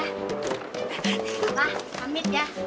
abah pamit ya